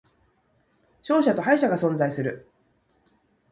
勝者と敗者が存在する